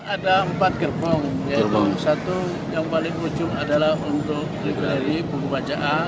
ada empat gerbong yaitu satu yang paling ujung adalah untuk riba dari pembacaan